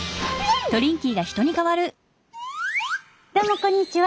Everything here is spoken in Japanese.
どうもこんにちは。